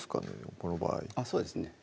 この場合あっそうですね